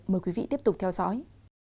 mời quý vị tiếp tục theo dõi